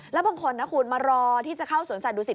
แล้วบางคนนะครูมารอที่จะเข้าสวนสาธารณ์ดูสิต